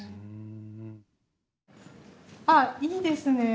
あっいいですね。